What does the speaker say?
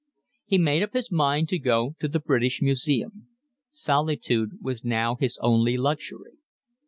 He made up his mind to go to the British Museum. Solitude was now his only luxury.